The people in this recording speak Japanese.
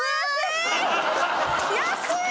安い！